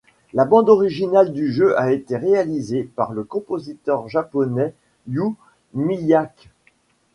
La bande-originale du jeu a été réalisée par le compositeur japonais Yu Miyake.